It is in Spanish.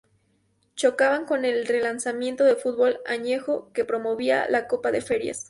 Chocaba con el relanzamiento del fútbol añejo que promovía la Copa de Ferias.